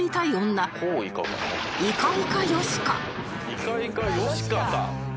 「いかいかよしかさん」